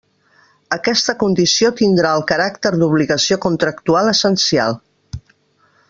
Aquesta condició tindrà el caràcter d'obligació contractual essencial.